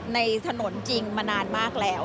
ในถนนจริงมานานมากแล้ว